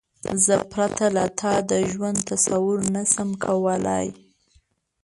زه پرته له تا د ژوند تصور نشم کولای.